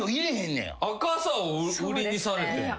赤さを売りにされても。